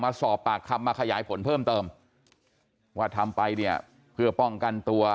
มาสอบปากคำมาขยายผลเพิ่มเติมว่าทำไปเนี่ยเพื่อป้องกันตัว